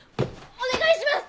お願いします！